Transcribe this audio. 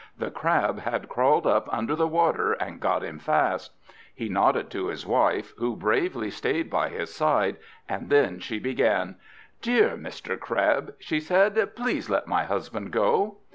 The Crab had crawled up under the water and got him fast. He nodded to his wife, who bravely stayed by his side; and then she began: "Dear Mr. Crab!" she said, "please let my husband go!"